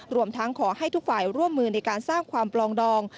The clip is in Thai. รวมทั้งขอให้ทุกฝ่ายร่วมมือในการสร้างความปลองดอง